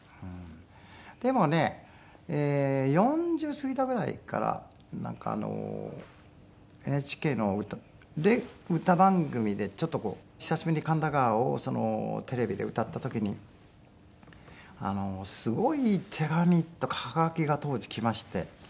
でもね４０過ぎたぐらいからなんかＮＨＫの歌番組でちょっと久しぶりに『神田川』をテレビで歌った時にすごい手紙とかハガキが当時来まして。